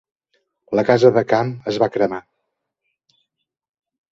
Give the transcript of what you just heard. La casa de camp es va cremar.